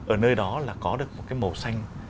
ở nơi đó là có được một cái màu xanh